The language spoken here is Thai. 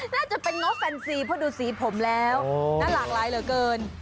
น่าจะเป็นง้อแฟนซีเพราะดูสีผมแล้วน่าหลากหลายเหลือเกิน